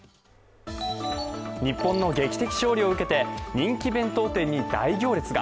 日本の劇的勝利を受けて人気弁当店に大行列が。